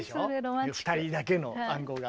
２人だけの暗号が。